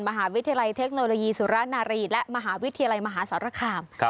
มหาวิทยาลัยเทคโนโลยีสุรนารีและมหาวิทยาลัยมหาสารคาม